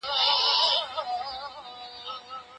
حيواناتو سره بايد په رحم او شفقت چلند وسي.